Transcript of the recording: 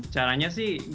caranya sih dine in